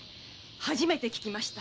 初めて聞きました。